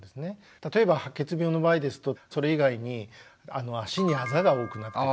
例えば白血病の場合ですとそれ以外に足にあざが多くなってくるとか。